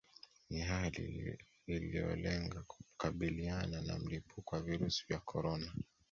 Ni hali iliolenga kukabiliana na mlipuko wa virusi vya corona